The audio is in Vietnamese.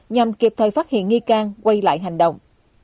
nhằm kịp thời phát hiện nghi can quay lại hành động